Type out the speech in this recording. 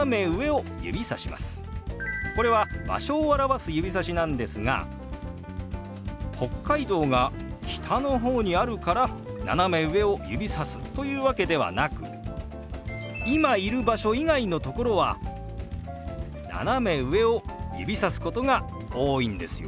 これは場所を表す指さしなんですが北海道が北の方にあるから斜め上を指さすというわけではなく今いる場所以外の所は斜め上を指すことが多いんですよ。